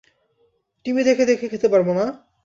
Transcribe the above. TV দেখে দেখে খেতে পারব না?